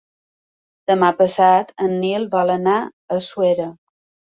Demà passat en Nil vol anar a Suera.